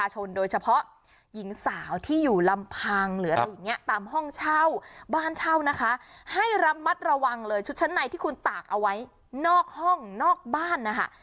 ให้ระมัดระวังเลยชุดชั้นในที่คุณตากเอาไว้นอกห้องนอกบ้านนะคะ